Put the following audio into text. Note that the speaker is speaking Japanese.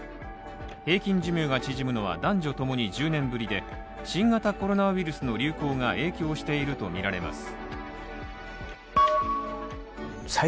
平均寿命が縮むのは男女ともに１０年ぶりで新型コロナウイルスの流行が影響しているとみられます。